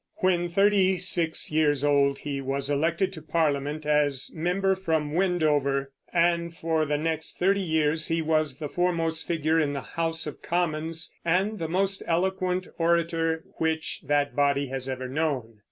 When thirty six years old he was elected to Parliament as member from Wendover; and for the next thirty years he was the foremost figure in the House of Commons and the most eloquent orator which that body has ever known.